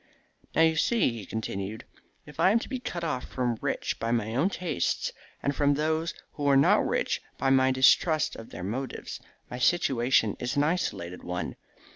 "Now, you see," he continued, "if I am to be cut off from the rich by my own tastes, and from those who are not rich by my distrust of their motives, my situation is an isolated one.